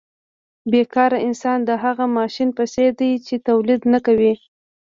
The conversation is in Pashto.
بې کاره انسان د هغه ماشین په څېر دی چې تولید نه کوي